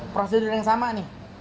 prosedur yang sama nih